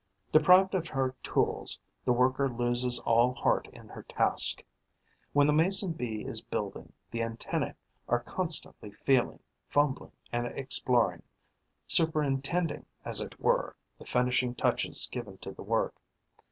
Deprived of her tools, the worker loses all heart in her task. When the Mason bee is building, the antennae are constantly feeling, fumbling and exploring, superintending, as it were, the finishing touches given to the work.